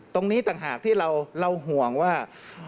ตรงนี้ต่างหากที่เราห่วงว่า